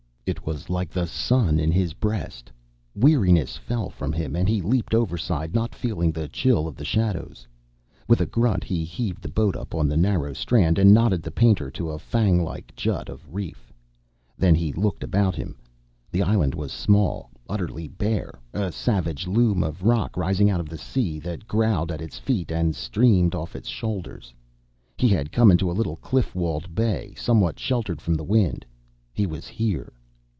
It was like the sun in his breast. Weariness fell from him, and he leaped overside, not feeling the chill of the shallows. With a grunt, he heaved the boat up on the narrow strand and knotted the painter to a fang like jut of reef. Then he looked about him. The island was small, utterly bare, a savage loom of rock rising out of the sea that growled at its feet and streamed off its shoulders. He had come into a little cliff walled bay, somewhat sheltered from the wind. He was here!